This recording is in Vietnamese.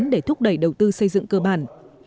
hãy thúc đẩy đầu tư xây dựng cơ bản